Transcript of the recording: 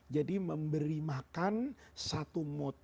jadi memberi makan satu mut